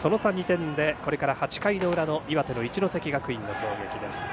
２点でこれから８回の裏の岩手の一関学院の攻撃です。